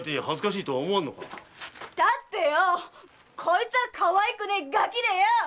だってようこいつは可愛くねえガキでよ。